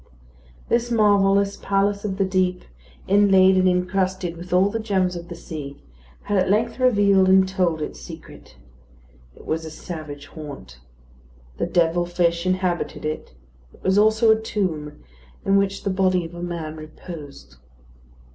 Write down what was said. This marvellous palace of the deep, inlaid and incrusted with all the gems of the sea, had at length revealed and told its secret. It was a savage haunt; the devil fish inhabited it; it was also a tomb, in which the body of a man reposed.